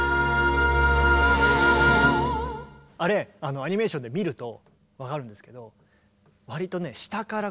あれアニメーションで見るとわかるんですけど